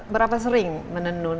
berapa sering menenun